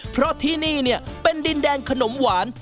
เพราะที่นี่เนี่ยเป็นดินแดงขนมหวาน